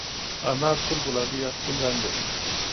انار سور، ګلابي یا سپین رنګ لري.